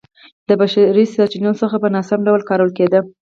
د بشري سرچینو څخه په ناسم ډول کارول کېده